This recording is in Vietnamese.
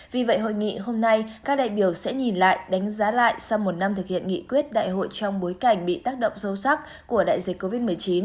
vì vậy hội nghị hôm nay các đại biểu sẽ nhìn lại đánh giá lại sau một năm thực hiện nghị quyết đại hội trong bối cảnh bị tác động sâu sắc của đại dịch covid một mươi chín